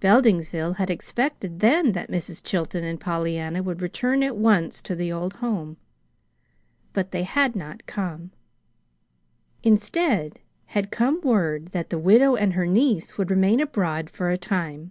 Beldingsville had expected then that Mrs. Chilton and Pollyanna would return at once to the old home. But they had not come. Instead had come word that the widow and her niece would remain abroad for a time.